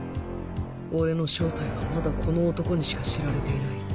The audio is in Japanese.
俺の正体はまだこの男にしか知られていない